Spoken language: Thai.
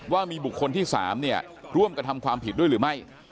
ว่ามีบุคคลที่๓ร่วมกระทำความผิดด้วยหรือไม่